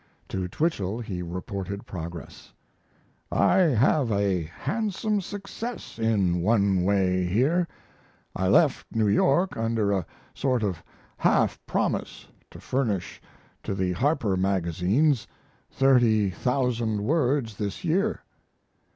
To Twichell he reported progress: I have a handsome success in one way here. I left New York under a sort of half promise to furnish to the Harper magazines 30,000 words this year.